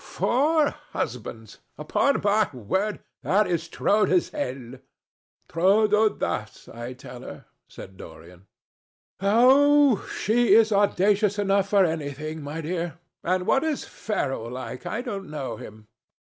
"Four husbands! Upon my word that is trop de zêle." "Trop d'audace, I tell her," said Dorian. "Oh! she is audacious enough for anything, my dear. And what is Ferrol like? I don't know him."